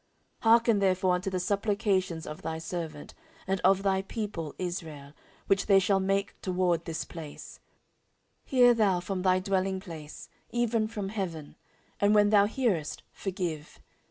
14:006:021 Hearken therefore unto the supplications of thy servant, and of thy people Israel, which they shall make toward this place: hear thou from thy dwelling place, even from heaven; and when thou hearest, forgive.